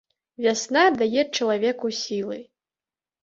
Вясна дае чалавеку сілы.